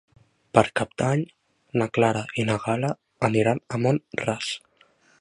Per Cap d'Any na Clara i na Gal·la aniran a Mont-ras.